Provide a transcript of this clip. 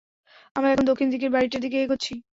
আমরা এখন দক্ষিণ দিকের বাড়িটার দিকে এগোচ্ছি।